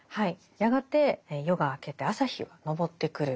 やがて夜が明けて朝日が昇ってくる。